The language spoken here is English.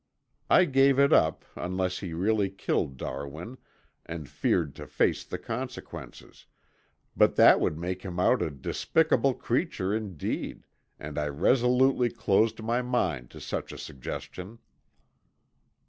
I gave it up unless he really killed Darwin and feared to face the consequences, but that would make him out a despicable creature indeed, and I resolutely closed my mind to such a suggestion.